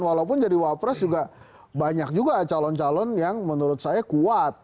walaupun jadi wapres juga banyak juga calon calon yang menurut saya kuat